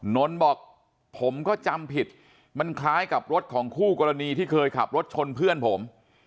นนท์บอกผมก็จำผิดมันคล้ายกับรถของคู่กรณีที่เคยขับรถชนเพื่อนผม